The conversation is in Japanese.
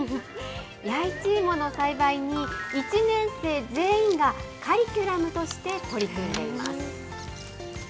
弥一芋の栽培に、１年生全員がカリキュラムとして取り組んでいます。